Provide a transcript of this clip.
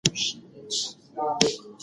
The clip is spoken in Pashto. ځینې مثبت غبرګون ښيي.